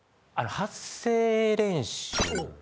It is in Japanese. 発声練習。